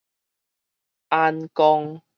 俺公